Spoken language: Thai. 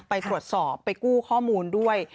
ไปตรวจสอบไปกู้ข้อมูลด้วย